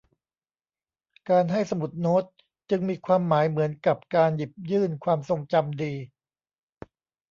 การให้สมุดโน้ตจึงมีความหมายเหมือนกับการหยิบยื่นความทรงจำดี